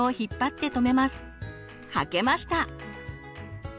履けました！